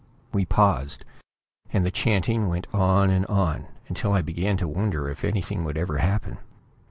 We paused, and the chanting went on and on, until I began to wonder if anything would ever happen.